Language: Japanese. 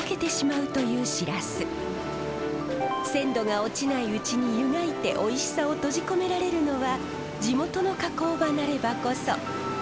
鮮度が落ちないうちに湯がいておいしさを閉じ込められるのは地元の加工場なればこそ。